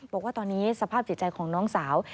บอกว่าตอนนี้สภาพจิตใจของน้องสาว